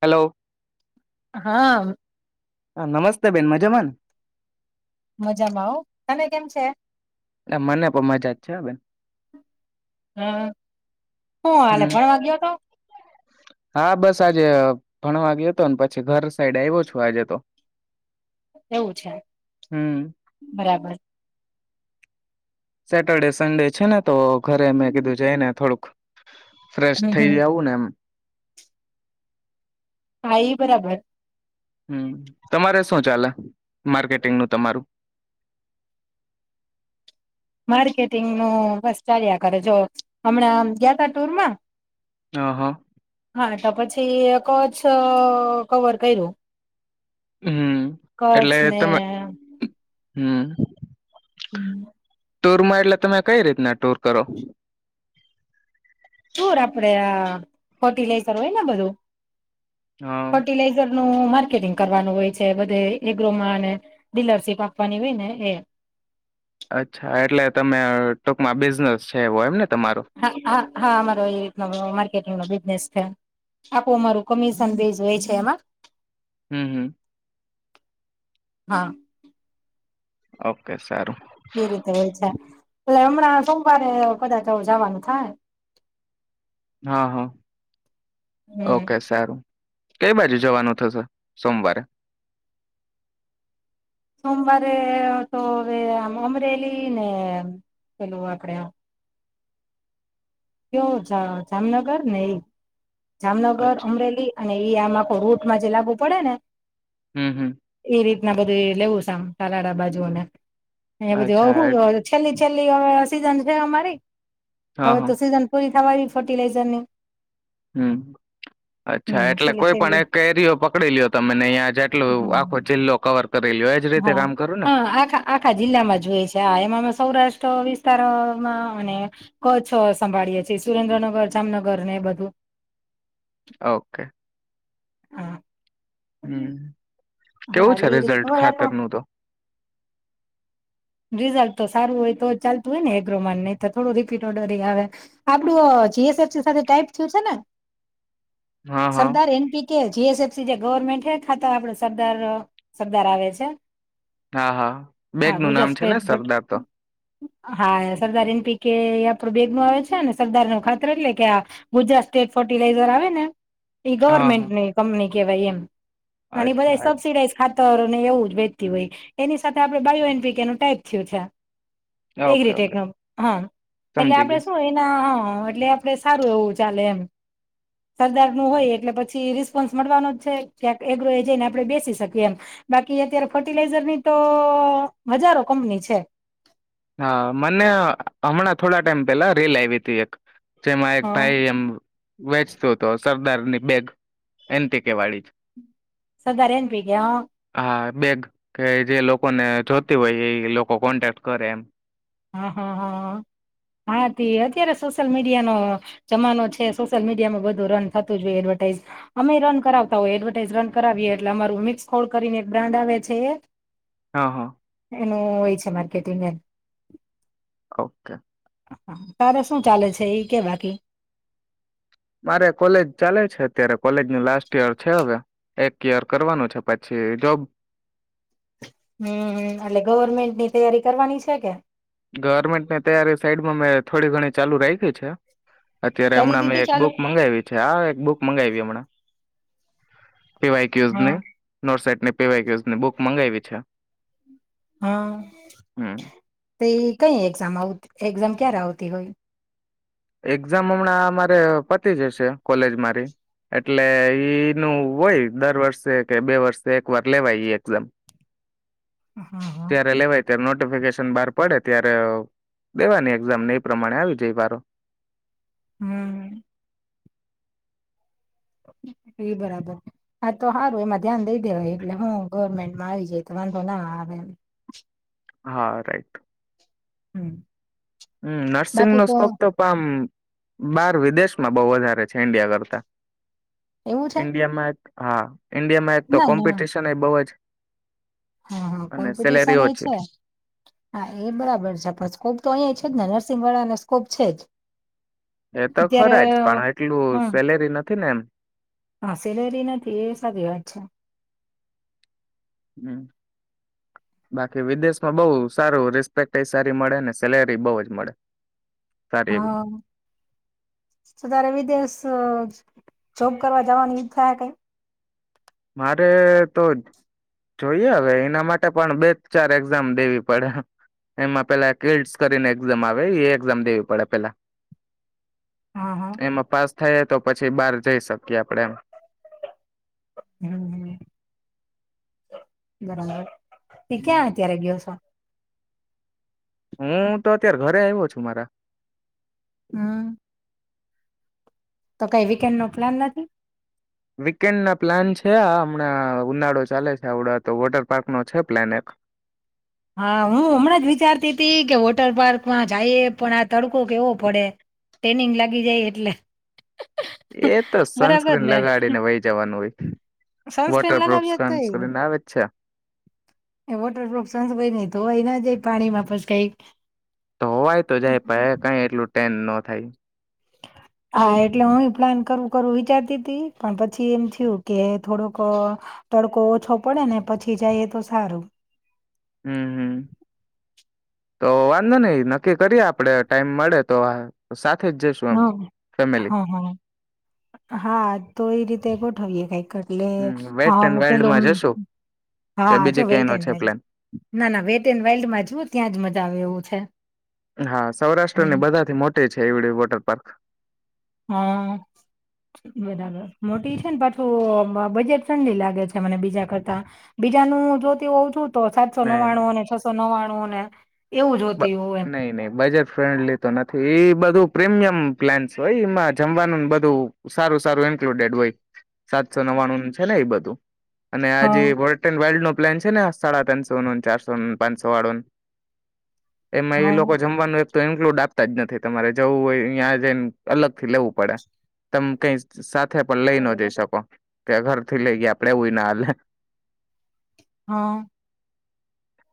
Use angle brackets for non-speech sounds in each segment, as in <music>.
Hello હા હા નમસ્તે બેન મજામાંન મજામાં આવું તને કેમ છે ને? મને પણ મજા જ છે બેન હ હું હાલે હમ પણ વાગ્યો હતો હા બસ આજે ભણ વાગે હતો ને પછી ઘર સાઈડ આવ્યો છું આજે તો એવું છે, હમ બરાબર સેટરડે, સંડે છે ને? તો ઘરે મેં કીધું જય ને થોડુંક ફ્રેશ હમ થઈ હમ જાવું ને એમ. હા ઈ બરાબર, હમ તમારે શું ચાલે? માર્કેટિંગ નું તમારું? માર્કેટિંગ નું બસ ચાલ્યા કરે જો, હમણાં ગયાતા ટુરમાં હ હા, હા તો પછી કચ્છ કવર કર્યું. હમ કચ્છ ને હમમ હમ <inaudible> ટૂર માં એટલે, તમે કઈ રીતના ટૂર કરો? ટુર આપડે આ ફર્ટિલાઈઝર હોય ને બધું હા ફર્ટિલાઈઝર ન માર્કેટિંગ કરવાનું હોય છે. બધે એગ્રોમાં અને ડીલરશીપ આપવાની હોય ને એ. અચ્છા! એટલે તમે ટૂંકમાં બિઝનેસ? છે એવો એમ ને તમારો? હા હા હા! અમારો એ રીત નો માર્કેટિંગ નો બીઝ <inaudible> આખું અમારું કમિશન બેઝ હોય છે એમાં. હમ હમ, હા! ઓકે સારું! એ રીતે હોય છે. એટલે આમ હમણાં સોમવારે કદાચ જવાનું થાહે. હા હા હમ ઓકે સારું. કઈ બાજુ જવાનું થશે સોમવારે? સોમવારે તો હવે આમ, અમરેલી ને પેલું આપડે આમ કયો જામનગર ને ઈ. જામનગર અચ્છા અમરેલી અને એ આમાં રુટ માં જે લાગવુ પડે ને હમ હમ એ રીતના બધે લેવું છે આમ તાલાડા બાજુ અને એ બધુ અચ્છા એટ <unintelligible> છેલ્લી છેલ્લી <unintelligible> <unintelligible> છે અમારી હા હવે હા તો સીઝન પૂરી થવાણી ફર્ટિલાઇઝર ની હમ અચ્છા હમ એટલે છેલ્લી કોઈ પણ છેલ્લી એક એરિયો પકડી લ્યો તમને અહીંયા જેટલોું હમ આખો જિલ્લો કવર કરી લ્યો એજ રીતે હા કામ કરું ને હા આખા આખા જિલ્લામાં જોય છે એ મા મ <unintelligible> સૌરાષ્ટ્ર વિસ્તારમાં અને કચ્છ સંભાળીએે છે સુરેન્દ્રનગર જામનગર ને બધું ઓકે હા હમ હા કેવું છે એટલે એ રીત રિઝલ્ટ હોય પણ ખાતરનું તો રિઝલ્ટ તો સારું હોય તો ચાલતું હોય ને એગ્રોમાન નહી તો થોડું રીપીટ ઓડરે આવે આપડું અ જી એસ એફ સી સાથે ટાઈપ થયું છે ને? હા હા સરદાર એન પી કે જીએસએફસી જે ગવર્મેન્ટ હૈ ખાતા આપડે સરદાર સરદાર આવે છે. હા હા બેગ હા નું નામ ગુજરાત છે. <inaudible> સ્ટેટ સરદાર તો. હા સરદાર એન પી કે આપણું બેગનું આવે છે ને સરદાર નું ખાતર એટલે કે ગુજરાત સ્ટેટ ફર્ટિલાઈઝર આવે ને એ હા હા ગવર્મેન્ટની કંપની. કેવાય એમ. અને બધા અચ્છા સબસિડાઝ ખા <inaudible> એવું જ વેચતી હોય એની સાથે આપણે બાયો. <unintelligible> ટાઈપ થયો. <unintelligible> એ ઓકે ઓકે રીતેનું હા એટલે સમજી આપડે ગયો શું એના એટલે આપડે સારું એવું ચાલે એમ સરદાર નું હોય એટલે પછી રિસ્પોન્સ મળવાનો જ છે એગ્રો એ જઈને આપડે બેસી શકીએ એમ બાકી અત્યારે ફર્ટિલાઈઝર ની તો હજારો કંપની છે. હા મને હમણાં થોડા ટાઈમ પેહલા રીલ આયવી હતી. તેક. જેમાં હ એક ભાઈ એમ વેચતો તો સરદારની બેગ એનટી કે વાળી સરદાર એન પી ની હંઅ હા બેગ કે જે, લોકોને જોતી હોય એ લોકો કોન્ટેક્ટ કરે એમ. હા હા હા હાતી અત્યારે સોશિયલ મીડિયાનો જમાનો છે, સોશિયલ મીડિયામાં બધું રન થતું જ હોઈ એડવર્ટાઈઝ, અમેય રન કરાવતા હોય એડવર્ટાઈઝ રન કરાવીએ એટલે અમારું મિક્સ કોલ કરીને એક બ્રાન્ડ આવે છે, એ હા હા, એનું હોય છે. Marketing <inaudible> okay! તારે શું ચાલે છે એ કે બાકી? મારે કોલેજ ચાલે છે અત્યારે, કોલેજ નુ લાસ્ટ યર છે હવે, એક યર કરવાનું છે પછી જોબ. હમ એટલે ગવર્મેન્ટની તૈયારી કરવાની છે કે? ગવર્મેન્ટની તૈયારી સાઈડમાં મે થોડી ઘણી ચાલુ રાયખી છે. અત્યારે કરી હમણાં મેં દીધી એક ચાલુ બુક મંગાવી છે આ એક બુક મંગાવી હમણાં પી વાઈ ક્યુઝ ને હા નોટ સેટ ને પીવાયઝને બુક મંગાવી છે હા હમ તે કઈ એક્ઝામ આવતી એક્ઝામ ક્યારે આવતી હોય એક્ઝામ હમણાં મારે પતી જશે કોલેજ મારી એટલે ઈ ન હોય દર વર્ષે કે બે વર્ષે એક વાર લેવાય એક્ઝામ હા હા અ્યારે નોટિફિકેશન બહાર પડે ત્યારે દેવાની એક્ઝામ ને એ પ્રમાણે આવી જાય વારો હમ એ બરાબર હા તો સારું એમાં ધ્યાન દઈ દેવાય એટલે હું ગવર્મેન્ટમાં આવી જાય તો વાંધો ના આવે એ હા રાઈટ હમ હમ નર્સિંગ નો સ્કોપ તો પણમ બાર વિદેશમાં બહુ વધારે છે ઈન્ડિયા કરતા એવું છે ઇન્ડિયામાં એક હા ઇન્ડિયા માં એક તો ના ના કોમ્પિટિશન એ બઉુ જ હા હા અને સેલેરી કોમ્પિટિશન એ ઓછી છે હા એ બરાબર છે પછ કોપ તો અં છે જ ને નર્સિંગ વાળાને સ્કોપ છે જ એ તો અત્યારે ખરા જ પણ એટલું હમ સેલેરી નથી ને એમ હા સેલેરી નથી એ સારીી વાત છે હમ બાકી વિદેશમાં બહુ સારું રિસ્પેક્ટ એ સારી મળે ને સેલેરી બહુ જ મળે સારી એવી હા તો તારે વિદેશ જોપ કરવા જવાની ઈચ્છા કઈ મારે તો જોઈએ હવે એના માટે પણ બે ચાર એક્ઝામ દેવી પડે એમાં પેલા કેસ કરીને એક્ઝામ આવે એ એક્ઝામ દેવી પડે પેલા હા હા એમાં પાસ થાય તો પછી બહાર જઈ શકીએ આપડે એમ હું હું બરાબર તી ક્યાં અત્યારે ગયો છો હું તો અત્યારે ઘરે આવ્યો છું મારા હું તો કઈ વીકેન્ડ નો પ્લાન નથી વીકેન્ડ ના પ્લાન છે આ હમણાં ઉનાળો ચાલે છે આવડા તો વોટર પાર્કનોો છે પ્લાન એક હા હું હમણાં જ વિચારતી હતી કે વોટર પાર્કમાં જઈ પણ આ તડકો કેવો પડે ટ્રેનિંગ લાગી જાય એટલે એ તો બરાબર સનસ્ક્રીન ને લગાડીને વહી જવાનું હોય સનસ્ક્રીન વોટરપ્રુફ લગાવીએ તોય સનસ્ક્રીન આવે જ છે નઈ તો અહી જ પાણીમાં પ કઈ તો હોવાય તો જાય પ કઈ એટલું ટેન ન થાય હા એટલે હ પ્લાન કરું કરું વિચારતી હતીી પણ પછી એમ થયું કે થોડોક તડકો ઓછો પડે ને પછી જઈએ તો સારું હમ હમ તો વાંધો નહીિ નક્કી કરીએ આપડે ટાઈમ મળે તો સાચ હ હા હા હા તો એ રીતે થોએ કઈ એટલે હ વેટ એન્ડ હ પેલ વાઇલ્ડમાં જશું કે હા જો બીજે વેટ ક્યાંય નો એડ છે વાલ્ પ્લાન ના ના વેટ એડ વાઇલ્ડમાં જુ ત્યાં જ મજા આવે એવું છે હમ ખેવડી વાોટર પાર્ક હા બરાબર મોટી છે ને પાછું બજેટ લી લાગે છે મને બીજા કરતા બીજાનું જો તેું તો ઓછા જ સોનો નહી નહી વાણવો ને તો સોનો વાણોને હ નહી નહી બજેટ ફ્રેન્ડલી તો નથી એ બધું પ્રીમિયમ પ્લાન્ હોય એમાં જમવાનું બધું સારું સારું ઇન્ક્લુડેડ હોય સાતસો નવાણું છે ને એ બધું અને આજે હા બોરેટેન વાર્લ્ડ નો પ્લન છે નહીતાડા તનસો ચારસો પાંચસો વાળન એમાં એઈ હા લોકો જમવાનું તો ઇન્ક્લુડ આપતા જ નથી તમારે જવું હોય અહીં જઈને અલગ થી લેવું પડે તમે કઈ સાથે પણ લઈ ન જઈ શકો કે ઘરથી લઈ ગયા આપડે એવું ના હલેે હા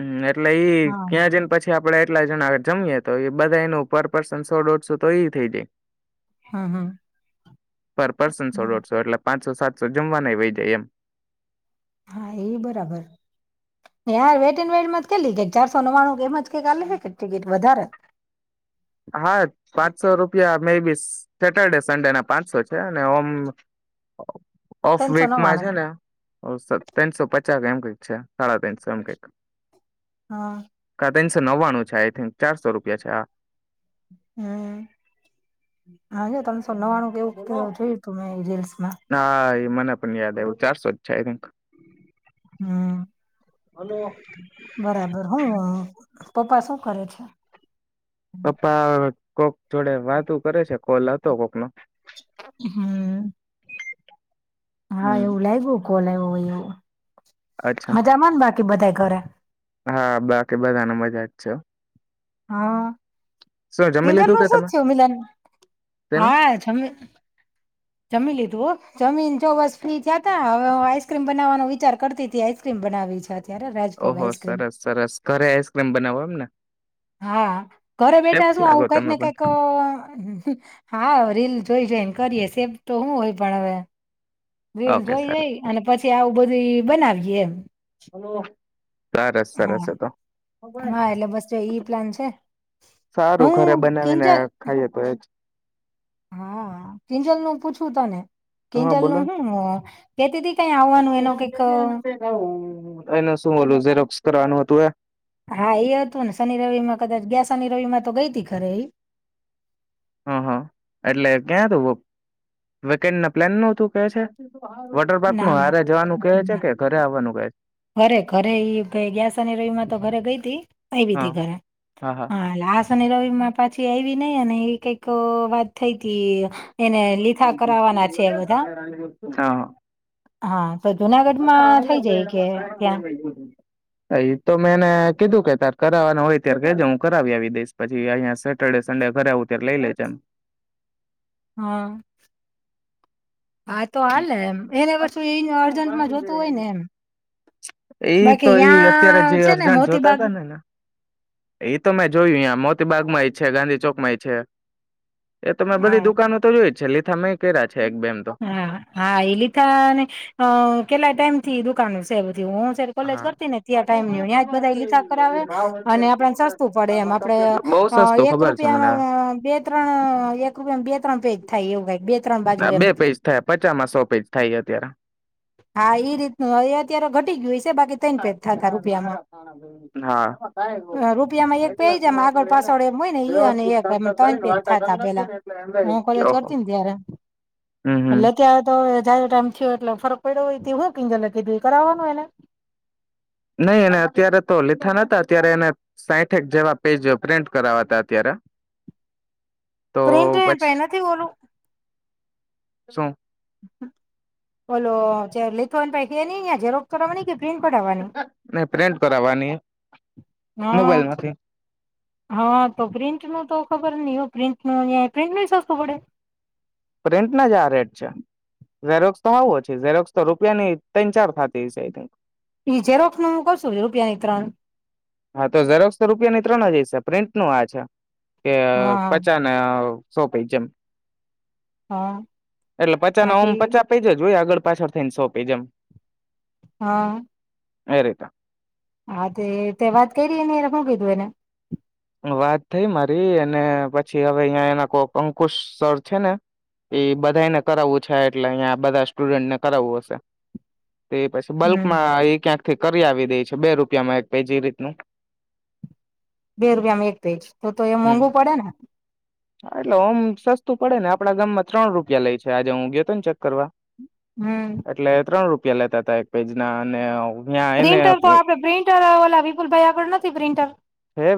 હમ એ ટ હા લઈ પછી આપડે એટલા જણા આ જમીએ તો એ બધાનું પર પર્સન સો દોઢસો તો એ થઈ જાય હા હા પર પર્સન સો હમ દોઢસો એટલે પાંચ સાચસો સાતસો જમવા ન વહી જાય એમ હા એ બરાબર યાર વેટ એ વેટમાં જ કેલી કે ચારસો નવાણું એમાં જ કઈક ચાલે છે કે ટિકિટ વધારે હા પાંચસો રૂપિયા મે બી સેટરડે સન્ડે ના પાંચસો છે અને ઓમ ઓફ ત્રણસો વેક માં નવ્વાણું છે ને ત્રણસો પચાસ એમ કઈક છે સાડા ત્રનસો એમ કઈક હા ત્રસો નવ્વાણું છે આઈ થિક ચારસો રૂપિયા છે આ હમ હા તમ તો નવાણું કેવું કે જોયું મેં રિયલ્સ હા મને પણ યાદ આવ્યું ચારસો જ છે કંક હમ હલો બરાબર હું પપ્પા શું કરે છે અપા કોક જોડે વાતું કરે છે, કોલ હતો કોક નો હમ્મ હા હમ એવું લાગ્યું કોલે આવો હોયું એવું અચ્છા મજામાં બાકી બધા ઘર હા બાકી બધાને મજા જ છે, હા જમી જનું શું લીધું કે જ તમે થયું મિલન તેનું હા જમ જમીલી તું જમીન જો બસ ફ્રી થતા હવે હું આઈસ્ક્રીમ બનાવવાનો વિચાર કરતી ત આઈસ્ક્રીમ બનાવી છે. અત્યારે રાજભોગ ઓહો આઈસ્ક્રીમ. સરસ સરસ ઘરે આઈસક્રીમ બનાવવા એમ ને? હા ઘરે શેફ બેઠા શું આવું લાગો કઈક તમે ને પણ કંઈક હા રીલ જોઈ જઈન કરીએ સે તો શું હોય પણ હવે રીલ ઓકે જોઈ સરસ જઈ અને પછી આવું બધું બનાવીયએ એમ હલો સરસ સરસ હા. તો હા એટલે બસ જો ઈ પ્લાન છે સારું ઘરે હું બનાવીને કિંજલ ખાઈએ તો એજ હા કિંજલ નું પૂછવું તને હા કિંજલ નું બોલોને હું કેતી તી કઈ એ આવવાનું શું એનો કઈક અ, બોલ? કરવાનું હતું એ? હા એ હતું ને શનિ રવિ માં કદાચ ગયા શનિ રવિ માં તો ગઈ હતી, ખરે એ હા હા એટલે ક્યા તું વેકેન્ડ ના પ્લાન ન તું કે છે? વોટર પાર્ક ન ના ના હારે જવાનું કહે છે ના કે? ઘરે આવવાનું કહે છે? ઘરે ઘરે ગ્યાસની રોહીમાં તો ઘરે ગઈ તી આવી તી હા ઘરે હા સની રવિ માં પાછી આવી નઈ અને એવી કંઈક વાત થઈ એને લીધા કરવાના છે બધા હા હા જુનાગઢ માં થઈ જાય ત્યાં <unintelligible> અ તો મેં એને કીધું કે તાર કરાવવાનું હોય, ત્યારે કેજ હું કરાવી આવી દઈશ પછી અહિયાયા સેટરડે સડે ઘરે આવું ત્યારે લઈ લેજ એમ હા હા તો હાલે એમ એને વસ્તુ એ અર્જન્ટમાં જોતું હોય ને એમ ઈ તો બાકી ઈ અત્યારે યાં જે છે ને અર્જન્ટ જોતા મોતીબાગ હતા ને ને એ તો મેં જોયું ં મોતીબાગ માં છે ગાંધી ચોક માંય છે, એ તોમે બધી હા દુકાનો તો જોય જ છે, તમે કેરા છે એક બેમ તો હા હા એ લિથા ને કેટલા ટાઈમ થી દુકાનો છેહે હું કોલેજ હા. કરતી ને ત્યાં ટાઈમ ત્યાં જ બધા લીખા કરાવે અને આપડ સસ્તું પડે એમ આપડે બઉ સસ્તું એક ખબર છે મને રૂપિયા બે ત્રણ એક રૂપિયા બે ત્રણ ે થાય એવુંાય આ બે પેજ થયા પચાસમાં સો પેજ થાય અત્યારે હા ઈ રીતનું એ અત્યારે ઘટી ગયું છે બાકી તણ પેજ થતા રૂપિયામાં હા. રૂપિયામાં એક પે જમ આગળ પાછળ એમ હોય ને ઈ અને એક ત્રણ પેજ થતા પેલા હું કોલે ઓહો ચોરતી ને ત્યારે હમ હમ એટલે ત્યાં તો જાયો ટાઈમ થયો એટલે ફરક પડય હુંકી જ લ કેધ કરાવવાનું એને નહી એ અત્યારે તો લીધા નતા અત્યારે એને સાઠેક જેવા પેજ પ્રિન્ટ કરાવવા ત અત્યારે તો પ્રિન્ટ પછી એનાથી બોલું શું બોલો લીથોને પ ન અ જરો તોવાની કે પર આવવાની નહી પ્રિન્ટ કરાવવાની હા મોબાઈલ માંથી હા તો પ્રિન્ટ ન તો ખબર નહ પ્રિન્ટ ન પ્રિન્ટ ન સસ્ું પડે પ્રિન્ટના જ આ રેટ છે ઝેરોક્સ તો આવો છે ઝેરોક્સ તો રૂપિયાની ત્રન ચાર થતી છે આક જે રોક્ષ ન હું કશું રૂપિયાની ત્રણ હા તો જરોક્ષસ રૂપિયા ની ત્રણ હ જશે પ્રિન્ટ નું આ છે કે હા પચાાન સોપેજમ હા એટલે પચા હા ના ઓમ તે પચા પે જ જો હોય આગળ પાછળ થઈને સોપી જેમ હા એ રીતા હા તે તે વાત કરી ર ને એ રખું કીધું એને વાત થઈ મારી અને પછી હવે અહીંયા એના કોક અંકુશ સર છે ને એ બધાને કરાવવું છે એટલે અહીં બધા સ્ટુડન્ટને કરાવવું હશે તે પછી હમ બલ્કમાં એ ક્યાંક થી કરી આવી દે છે બે રૂપિયામાં એક પે જે રીતનું બે રૂપિયામાં એક પેજ તો તો એ મોંઘું પડેને હા એટલે ઓમ સસ્તુ પડે ને આપડા ગામમા ત્રણ રૂપિયા લઈ છે આજે હું ગયોતો ને ચેક કરવા હમ એટલે ત્રણ રૂ લેતાતા એક પેજ ના અને ત્યાં એને પ્રિન્ટર તો આપડ પ્રિન્ટર ઓલા વિપુલ ભાઈ આગળ નથી પ્રિન્ટર હે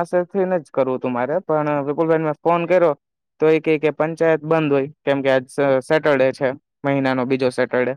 <inaudible> જ કરવુ તુ મારે પણ વિપુલભાઈને મે ફોન કર્યો તો એ ક કે પંચાયત બંધ હોય કેમકે આજ સેટરડે છે મહિના નો બીજો સેટરડે